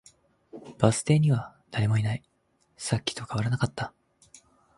バス停には誰もいない。さっきと変わらなかった。